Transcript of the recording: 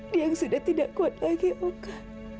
dia yang sudah tidak kuat lagi oke